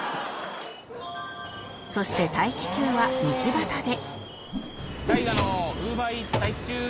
そして待機中は道端で